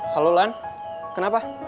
halo ulan kenapa